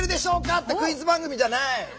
ってクイズ番組じゃない。